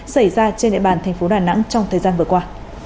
xảy ra trên địa bàn thành phố đà nẵng trong thời gian vừa qua